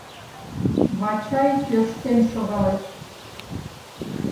Вачай тӧрштен шогалеш.